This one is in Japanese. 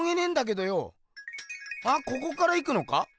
あここから行くのか？